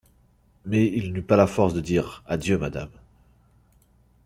Mais il n’eut pas la force de dire : Adieu, madame.